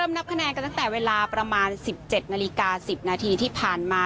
นับคะแนนกันตั้งแต่เวลาประมาณ๑๗นาฬิกา๑๐นาทีที่ผ่านมา